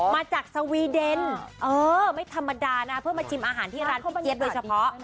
มาจากสวีเดนไม่ธรรมดานะเพื่อมาชิมอาหารที่ร้านพี่เจี๊ยบโดยเฉพาะ